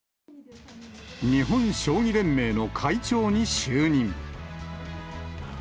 日本将棋連盟の会長に就任。